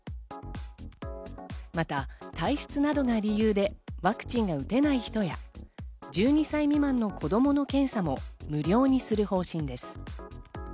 また、体質などが理由でワクチンが打てない人や、１２歳未満の子供の検査も無料にする方針です。